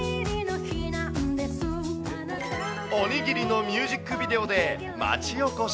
おにぎりのミュージックビデオで町おこし。